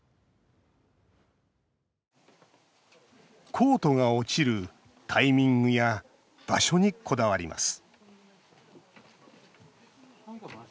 コートが落ちるタイミングや場所にこだわります。